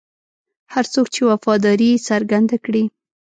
هر څوک چې وفاداري څرګنده کړي.